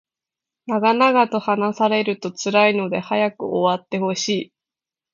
長々と話されると辛いので早く終わってほしい